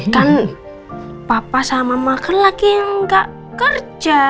kan papa sama mama kan lagi nggak kerja